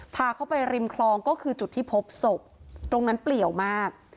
พาเข้าไปริมคลองก็คือจุดที่พบศพตรงนั้นเปลี่ยวมาก